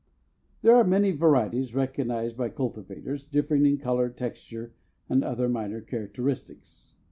There are many varieties recognized by cultivators, differing in color, texture and other minor characteristics.